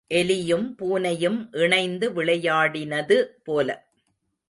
எலியும் பூனையும் இணைந்து விளையாடினது போல.